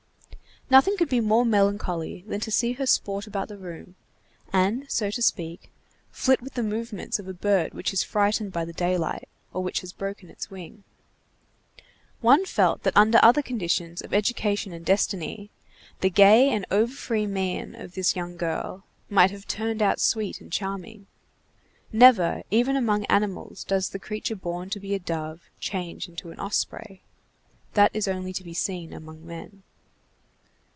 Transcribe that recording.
Nothing could be more melancholy than to see her sport about the room, and, so to speak, flit with the movements of a bird which is frightened by the daylight, or which has broken its wing. One felt that under other conditions of education and destiny, the gay and over free mien of this young girl might have turned out sweet and charming. Never, even among animals, does the creature born to be a dove change into an osprey. That is only to be seen among men.